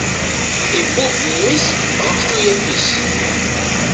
Ibubb mmi-s ɣef tuyat-is.